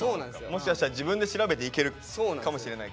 もしかしたら自分で調べて行けるかもしれないからね。